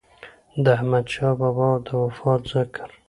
د احمد شاه بابا د وفات ذکر